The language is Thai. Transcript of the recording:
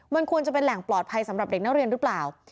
มันควรจะเป็นแหล่งปลอดภัยสำหรับเด็กนักเรียนหรือเปล่า